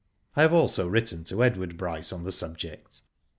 "I have also written to Edward Bryce on the subject.